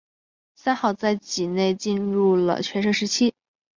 三好在畿内进入了全盛期。